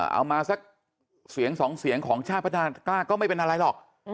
เอามาสักเสียงสองเสียงของชาติพัฒนากล้าก็ไม่เป็นอะไรหรอก